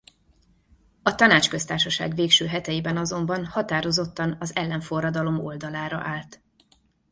A Tanácsköztársaság végső heteiben azonban határozottan az ellenforradalom oldalára állt.